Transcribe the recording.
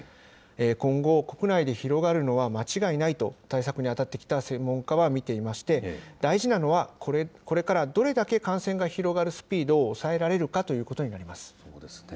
今後、国内で広がるのは間違いないと対策に当たってきた専門家は見ていまして、大事なのは、これからどれだけ感染が広がるスピードを抑えられるかということそうですね。